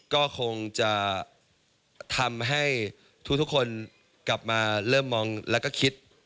ก็คงจะทำให้ทุกคนกลับมาเริ่มมองแล้วก็คิด